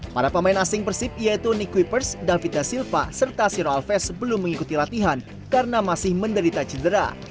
para pemain asing persib yaitu nick wipers davita silva serta siro alves belum mengikuti latihan karena masih menderita cedera